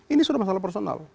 ini sudah masalah personal